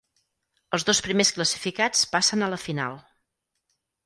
Els dos primers classificats passen a la final.